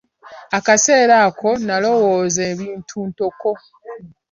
Akaseera ako nnalowooza ebintu ntoko.